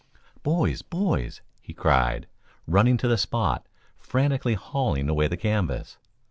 "Boys! boys!" he cried, running to the spot, frantically hauling away the canvas.